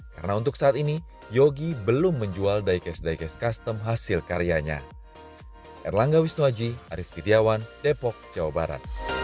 karena untuk saat ini yogi belum menjual diecast diecast custom hasil karyanya